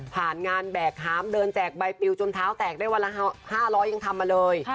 งานแบกหามเดินแจกใบปิวจนเท้าแตกได้วันละ๕๐๐ยังทำมาเลย